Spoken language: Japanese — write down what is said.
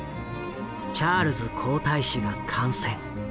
チャールズ皇太子が感染。